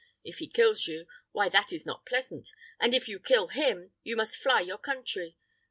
If he kills you, why that is not pleasant; and if you kill him, you must fly your country.